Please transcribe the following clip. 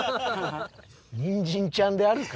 にんじんちゃんであるか。